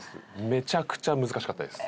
めちゃくちゃ難しかったです。